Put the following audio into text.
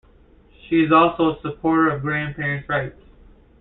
She is also a supporter of grandparents' rights.